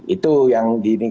itu yang gini